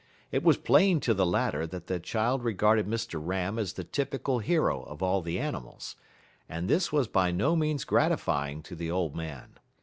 It was plain to the latter that the child regarded Mr. Ram as the typical hero of all the animals, and this was by no means gratifying to the old man.